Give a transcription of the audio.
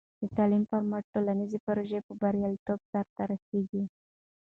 د تعلیم پر مټ، ټولنیزې پروژې په بریالیتوب سرته رسېږي.